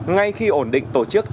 ngay khi ổn định tổ chức